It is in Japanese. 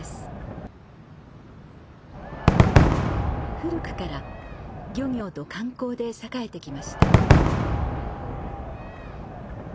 古くから漁業と観光で栄えてきました。